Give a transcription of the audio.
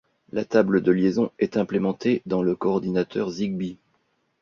La table de liaison est implémentée dans le coordinateur ZigBee.